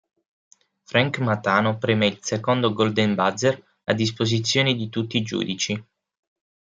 Frank Matano preme il secondo "golden buzzer" a disposizione di tutti i giudici.